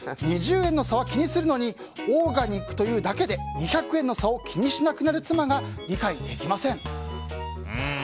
２０円の差は気にするのにオーガニックというだけで２００円の差を気にしなくなる妻が理解できません。